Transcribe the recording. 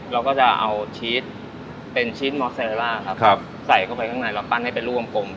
เราก็จะเอาชีสเป็นชีสครับใส่เข้าไปข้างในแล้วปั้นให้เป็นลูกอม